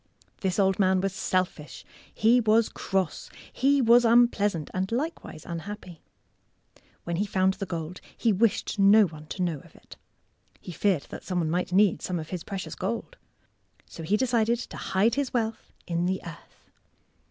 This old man was selfish. He was cross. He was unpleasant, and likewise unhappy. When he found the gold, he wished no one to know of it. He feared that some one might need some of his precious gold. So he decided to hide his wealth in the earth.